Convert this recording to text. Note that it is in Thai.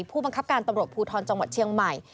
ผู้บังคับการตำรวจภูทรจังหวัดเชียงใหม่